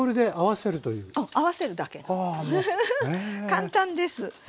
簡単です。